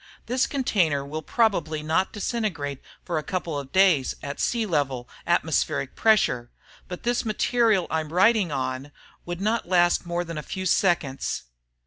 The container will probably not disintegrate for a couple of days at sea level atmospheric pressure, but this material I'm writing on would not last more than a few seconds.